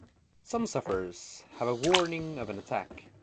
Some sufferers have a warning of an attack.